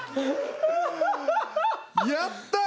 やったー